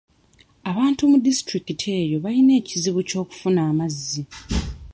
Abantu mu disitulikiti eyo balina ekizibu ky'okufuna amazzi.